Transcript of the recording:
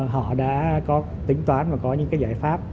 họ đã có tính toán và có những giải pháp